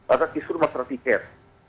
dan ada kisru masalah tiket